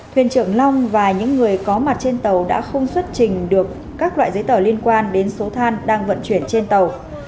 thuyền trưởng long và những người có mặt trên tàu đã không xuất trình được các loại giấy tờ liên quan đến số than đang vận chuyển trên tàu